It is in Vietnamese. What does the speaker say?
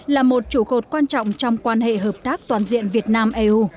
là một trụ cột quan trọng trong quan hệ hợp tác toàn diện việt nam eu